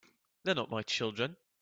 They're not my children.